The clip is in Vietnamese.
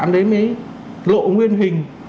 tội phạm đấy mới lộ nguyên hình